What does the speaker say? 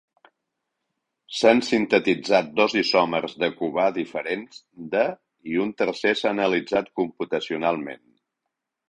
S'han sintetitzat dos isòmers de cubà diferents de i un tercer s'ha analitzat computacionalment.